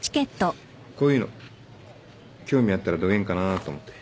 こういうの興味あったらどげんかなあと思って。